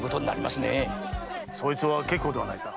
そいつは結構ではないか。